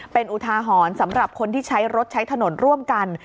เป็นอุทาหรณ์สำหรับคนที่ใช้รถใช้ถนนร่วมกัน